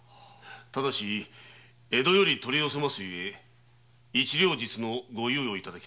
ただし江戸より取り寄せますゆえ一両日のご猶予をいただきたい。